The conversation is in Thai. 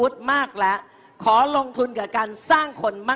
ไทยสถาน